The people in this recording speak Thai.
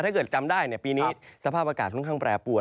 ถ้าเกิดจำได้เนี่ยปีนี้สภาพอากาศค่อนข้างแปรปวด